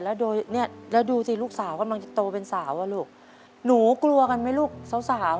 แล้วดูสิลูกสาวกำลังจะโตเป็นสาวล่ะลูกหนูกลวกันไหมลูกสาว